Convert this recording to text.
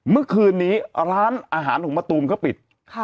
เมื่อคืนนี้ร้านอาหารของมะตูมก็ปิด